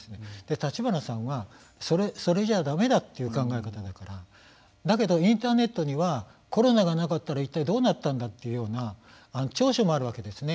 立花さんはそれじゃだめだという考え方だからだけどインターネットにはコロナがなかったら一体どうなってるんだという長所もあるわけですね。